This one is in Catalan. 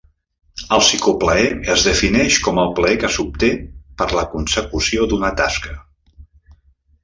El psicoplaer es defineix com el plaer que s'obté per la consecució d'una tasca.